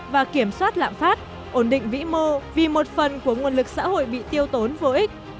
và kiểm soát lạm phát ổn định vĩ mô vì một phần của nguồn lực xã hội bị tiêu tốn vô ích